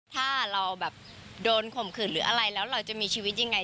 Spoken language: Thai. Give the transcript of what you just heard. ถ้าเราแบบโดนข่มขืนหรืออะไรแล้วเราจะมีชีวิตยังไง